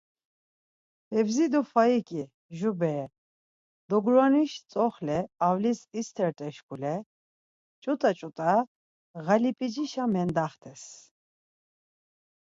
Fevzi do Faiǩi, Jur bere, doguroniş tzoxle avlis istert̆e şkule, ç̌ut̆a ç̌ut̆a ğalip̌icişa mendaxtes.